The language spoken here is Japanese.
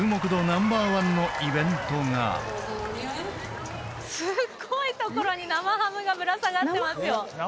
ナンバーワンのイベントがすごいところに生ハムがぶら下がってますよ